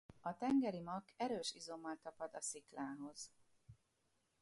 A tengeri makk erős izommal tapad a sziklához.